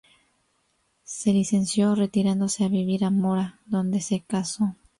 Se licenció retirándose a vivir a Mora, donde se casó.